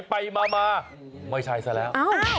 ไปมาไม่ใช่ซะแล้ว